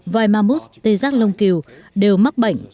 vài mammoth tê giác lông cừu đều mắc bệnh